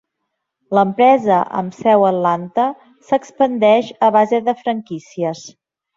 L'empresa, amb seu a Atlanta, s'expandeix a base de franquícies.